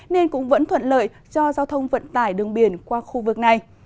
nên cũng vẫn thuận lợi cho giao thông vận tải đường biển qua khu vực này